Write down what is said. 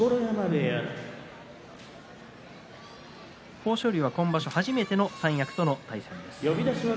豊昇龍は今場所初めての三役との対戦です。